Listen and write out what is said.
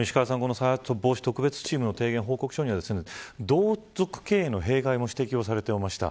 再発防止特別チームの提言報告書には同族経営の弊害も指摘されていました。